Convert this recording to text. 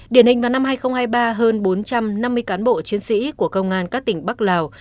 điển hình vào năm hai nghìn hai mươi ba hơn bốn trăm năm mươi cán bộ chiến sĩ của công an các tỉnh bắc lào